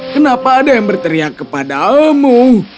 kenapa ada yang berteriak kepadamu